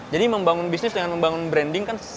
jadi membangun bisnis dengan membangun branding kan